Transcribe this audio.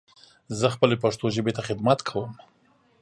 زه خپلې پښتو ژبې ته خدمت کوم.